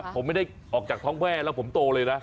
ผมไม่ได้ออกจากท้องแว่แล้วผมโตเลยนะ